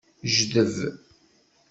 Jdeb.